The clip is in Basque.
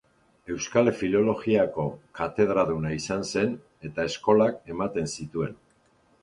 Euskal Filologiako katedraduna izan zen, eta eskolak eman zituen.